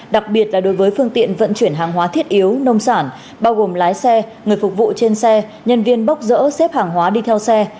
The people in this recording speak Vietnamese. đặc biệt là đối với phương tiện vận chuyển hàng hóa thiết yếu nông sản bao gồm lái xe người phục vụ trên xe nhân viên bốc rỡ xếp hàng hóa đi theo xe